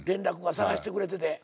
探してくれてて。